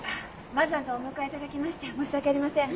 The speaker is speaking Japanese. わざわざお迎えいただきまして申し訳ありません。